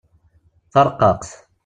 Tareqqaqt.